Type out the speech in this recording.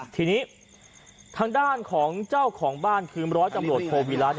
ทีนี้ทางด้านของเจ้าของบ้านคือร้อยตำรวจโทวิรัติ